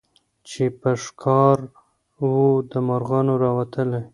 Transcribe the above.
چي په ښکار وو د مرغانو راوتلی